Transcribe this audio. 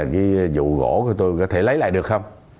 cái vụ gỗ của tôi có thể lấy lại được không